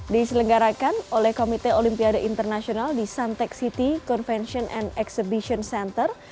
diselenggarakan oleh komite olimpiade internasional di suntech city convention and exhibition center